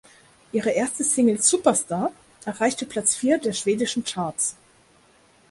Ihre erste Single "Superstar" erreichte Platz vier der schwedischen Charts.